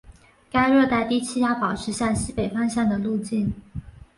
该热带低气压保持向西北方向的路径。